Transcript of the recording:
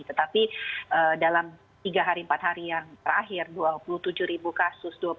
tetapi dalam tiga hari empat hari yang terakhir dua puluh tujuh ribu kasus